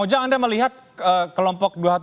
kak ujang anda melihat kelompok